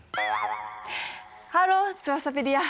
ハローツバサペディア！